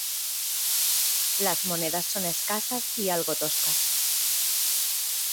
Las monedas son escasas y algo toscas.